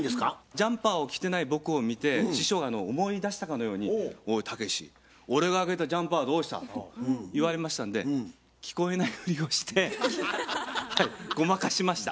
ジャンパーを着てない僕を見て師匠が思い出したかのように「おいたけし俺があげたジャンパーはどうした？」と言われましたんで聞こえないふりをしてごまかしました。